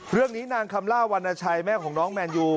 เรื่องนี้นางคำล่าวรรณชัยแม่ของน้องแมนยู